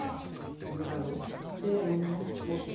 ブラウンれいのものをもってきていますね？